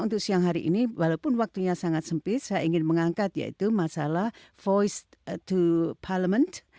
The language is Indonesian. untuk siang hari ini walaupun waktunya sangat sempit saya ingin mengangkat yaitu masalah voice to parliament